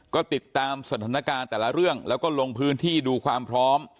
ก็ติดตามสถานการณ์แต่ละเรื่องแล้วก็ลงพื้นที่ดูความพร้อม